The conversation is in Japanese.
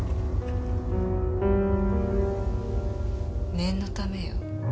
念のためよ。